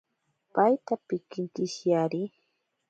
Paita pinkinkishiriari.